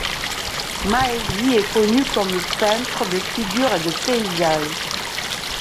Ma Hezhi est connu comme peintre de figures et de paysages.